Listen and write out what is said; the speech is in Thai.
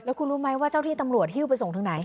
คุณรู้ไหมว่าเจ้าที่ตำรวจฮิ้วไปส่งถึงไหน